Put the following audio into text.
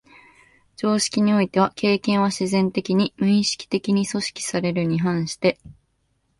常識においては経験は自然的に、無意識的に組織されるに反して、